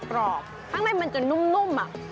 ข้างในมันจะนุ่มอ่ะ